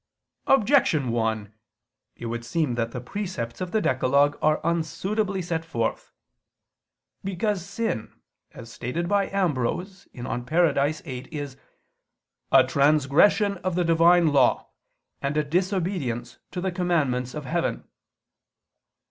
Objection 1: It would seem that the precepts of the decalogue are unsuitably set forth. Because sin, as stated by Ambrose (De Paradiso viii), is "a transgression of the Divine law and a disobedience to the commandments of heaven."